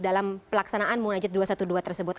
dalam pelaksanaan munajat dua ratus dua belas tersebut